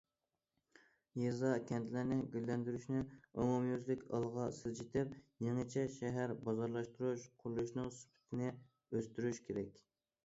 يېزا- كەنتلەرنى گۈللەندۈرۈشنى ئومۇميۈزلۈك ئالغا سىلجىتىپ، يېڭىچە شەھەر- بازارلاشتۇرۇش قۇرۇلۇشىنىڭ سۈپىتىنى ئۆستۈرۈش كېرەك.